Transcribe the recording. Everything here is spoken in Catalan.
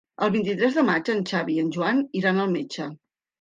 El vint-i-tres de maig en Xavi i en Joan iran al metge.